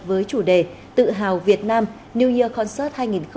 với chủ đề tự hào việt nam new year concert hai nghìn hai mươi